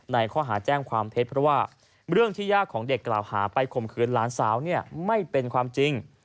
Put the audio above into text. ในข้อหาแจ้งความเท็จเพราะว่าเรื่องที่ย่าของเด็กกล่าวหาไปข่มขืนหลานสาวเนี่ยไม่เป็นความจริง